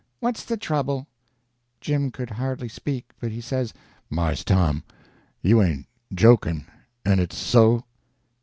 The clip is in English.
What's the trouble?" Jim could hardly speak, but he says: "Mars Tom, you ain't jokin', en it's _so?